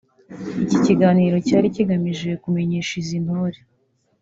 Iki kiganiro cyari kigamije kumenyesha izi ntore